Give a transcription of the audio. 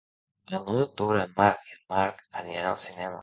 El nou d'octubre en Marc i en Marc aniran al cinema.